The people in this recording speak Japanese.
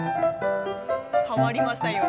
変わりましたよ。